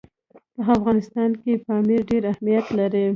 په افغانستان کې پامیر ډېر اهمیت لري.